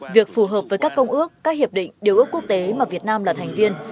việc phù hợp với các công ước các hiệp định điều ước quốc tế mà việt nam là thành viên